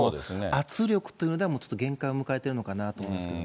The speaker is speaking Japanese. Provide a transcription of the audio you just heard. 圧力というのも限界を迎えてるのかなと思いますけどね。